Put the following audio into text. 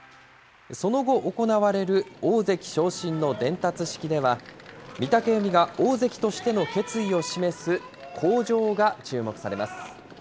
その後、行われる大関昇進の伝達式では、御嶽海が大関としての決意を示す、口上が注目されます。